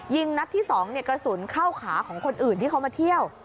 ยิงนัดที่๒กระสุนเข้าขาของคนอื่นที่เขามาเที่ยว